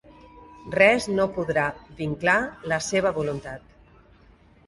Res no podrà vinclar la seva voluntat.